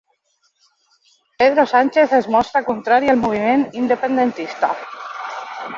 Pedro Sánchez es mostra contrari al moviment independentista